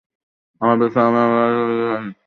আমার বিশ্বাস, আমি আসিয়াছি জানিয়া স্বামীজি খুশি হইলেন।